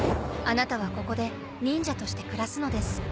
アナタはここで忍者として暮らすのです。